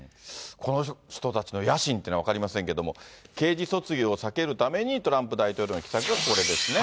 この人たちの野心というのは分かりませんけれども、刑事訴追を避けるために、トランプ大統領の奇策がこれですね。